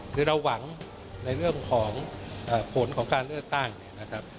คือเราหวังในเรื่องของผลของราวเลือกตั้ง